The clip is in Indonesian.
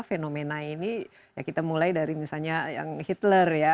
fenomena ini ya kita mulai dari misalnya yang hitler ya